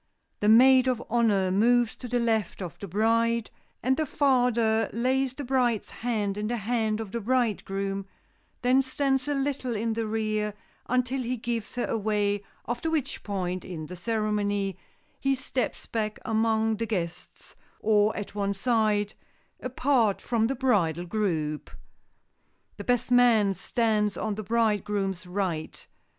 The maid of honor moves to the left of the bride, and the father lays the bride's hand in the hand of the bridegroom, then stands a little in the rear until he gives her away, after which point in the ceremony he steps back among the guests, or at one side, apart from the bridal group. The best man stands on the bridegroom's right.